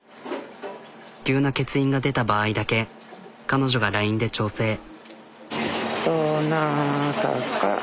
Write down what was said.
急な欠員が出た場合だけ彼女がＬＩＮＥで調整。